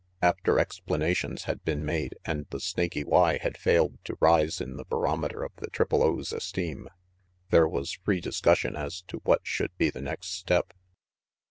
After explanations had been made and the Snaky Y had failed to rise in the barometer of the Triangle O's esteem, there was free discussion as to what should be the next step.